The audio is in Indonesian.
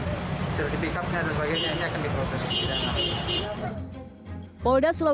polres selayar menunggu hasil pemeriksaan polres selatan